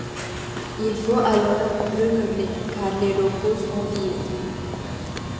Il faut alors remeubler, car les locaux sont vides.